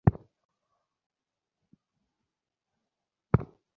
আর বলিলেন, বিধুভূষণের উপর কিছুই বিশ্বাস নাই, সেই তাঁহার স্বামীর সর্বনাশ করিয়াছে।